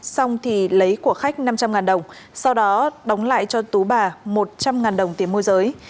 xong thì lấy của khách năm trăm linh đồng sau đó đóng lại cho tú bà một trăm linh đồng tiền môi giới